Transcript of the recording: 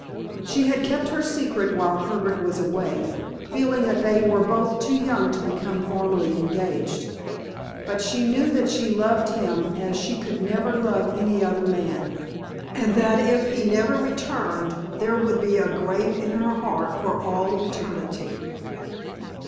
She had kept her secret while Herbert was away, feeling that they were both too young to become formally engaged, but she knew that she loved him as she could never love any other man, and that if he never returned there would be a grave in her heart for all eternity.